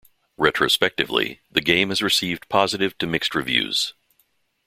Retrospectively, the game has received positive to mixed reviews.